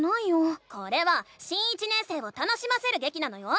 これは新１年生を楽しませるげきなのよ！